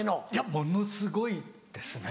ものすごいですね。